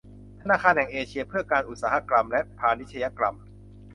ธนาคารแห่งเอเชียเพื่อการอุตสาหกรรมและพาณิชยกรรม